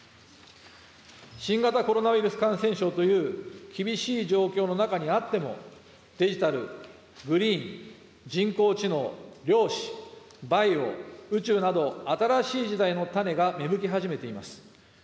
新型コロナウイルス感染症という厳しい状況の中にあっても、デジタル、グリーン、人工知能、量子、バイオ、宇宙など、新しい時代の種が芽吹き始めています。